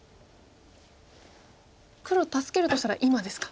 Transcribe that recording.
黒助けるとしたら今ですか。